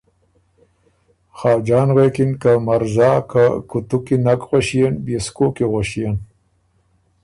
خاجان غوېکِن که مرزا که کُوتُو کی نک غؤݭيېن بيې سو کوک کی غؤݭيېن،